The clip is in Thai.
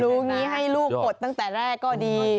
อย่างนี้ให้ลูกกดตั้งแต่แรกก็ดี